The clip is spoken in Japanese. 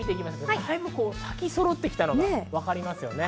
だいぶ咲き誇ってきたのがわかりますね？